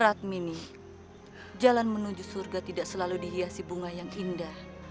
rakmini jalan menuju surga tidak selalu dihiasi bunga yang indah